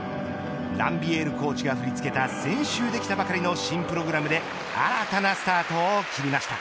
ランビエールコーチが振り付けた先週できたばかりの新プログラムで新たなスタートを切りました。